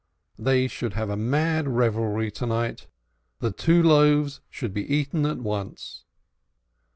They should have a mad revelry to night the two loaves should be eaten at once.